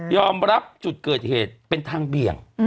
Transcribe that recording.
รับจุดเกิดเหตุเป็นทางเบี่ยง